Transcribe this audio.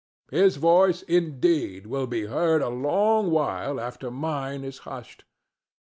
His voice, indeed, will be heard a long while after mine is hushed.